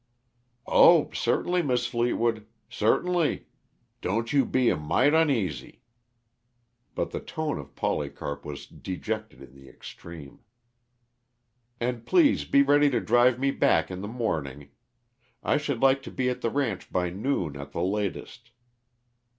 "Oh, certainly, Mis' Fleetwood. Certainly. Don't you be a mite oneasy." But the tone of Polycarp was dejected in the extreme. "And please be ready to drive me back in the morning. I should like to be at the ranch by noon, at the latest."